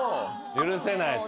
許せないと。